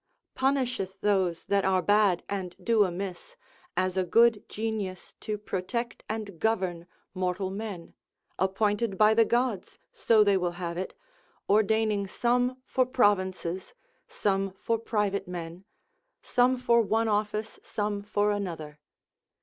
punisheth those that are bad and do amiss, as a good genius to protect and govern mortal men appointed by the gods, so they will have it, ordaining some for provinces, some for private men, some for one office, some for another.